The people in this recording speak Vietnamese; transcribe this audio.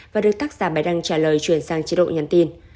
và được tác giả bài đăng trả lời chuyển sang chế độ nhắn tin